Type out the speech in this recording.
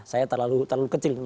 saya terlalu kecil